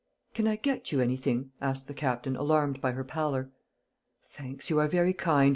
"Can I get you anything?" asked the Captain, alarmed by her pallor. "Thanks, you are very kind.